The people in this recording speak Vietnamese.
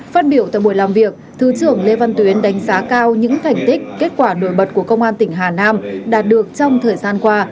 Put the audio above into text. phát biểu tại buổi làm việc thứ trưởng lê văn tuyến đánh giá cao những thành tích kết quả nổi bật của công an tỉnh hà nam đạt được trong thời gian qua